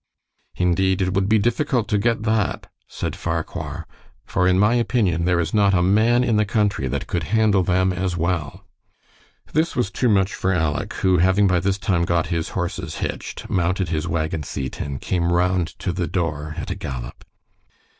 "Indeed, it would be difficult to get that," said Farquhar, "for, in my opinion, there is not a man in the country that could handle them as well." This was too much for Aleck, who, having by this time got his horses hitched, mounted his wagon seat and came round to the door at a gallop.